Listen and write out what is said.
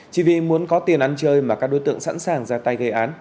chỉ vì muốn có tiền ăn chơi mà các đối tượng sẵn sàng ra tay gây án